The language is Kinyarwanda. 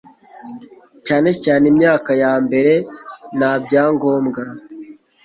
cyane cyane imyaka yambere, nta byangombwa